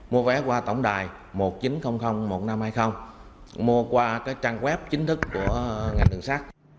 mua vé qua tổng đài một chín không không một năm hai không mua qua trang web chính thức của ngành đường sắt